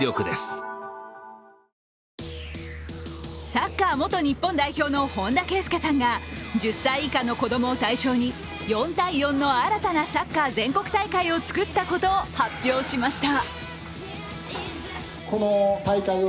サッカー元日本代表の本田圭佑さんが１０歳以下の子供を対象に４対４の新たなサッカー全国大会を作ったことを発表しました。